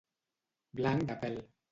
Blanc de pèl.